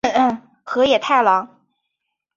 河野太郎。